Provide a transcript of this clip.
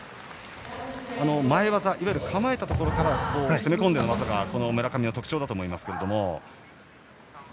前技、いわゆる構えたところから攻め込む技が村上は特徴だと思いますが。